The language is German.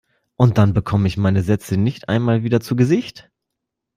Und dann bekomme ich meine Sätze nicht einmal wieder zu Gesicht!